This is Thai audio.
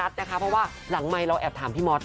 แต่ว่าสงสัยให้พี่มอส